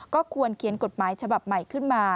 ก็ควรเขียนกฎหมายฉบับใหม่ขึ้นมา